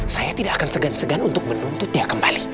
saya tidak akan segan segan untuk menuntutnya kembali